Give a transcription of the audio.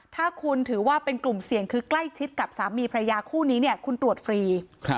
ถ้าคุณถือว่าเป็นกลุ่มเสี่ยงคือใกล้ชิดกับสามีพระยาคู่นี้เนี่ยคุณตรวจฟรี